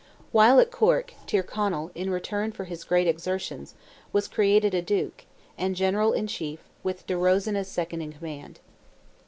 While at Cork, Tyrconnell, in return for his great exertions, was created a Duke, and General in Chief, with De Rosen as second in command.